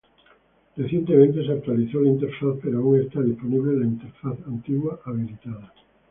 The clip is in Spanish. Recientemente se actualizó la interfaz pero aún está disponible la interfaz antigua habilitada.